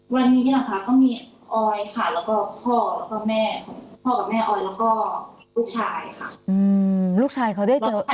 วันนี้นะคะก็มีออยค่ะแล้วก็พ่อแล้วก็แม่พ่อกับแม่ออยแล้วก็ลูกชายค่ะ